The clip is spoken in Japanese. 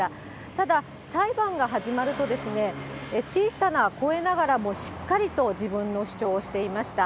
ただ、裁判が始まると、小さな声ながらもしっかりと自分の主張をしていました。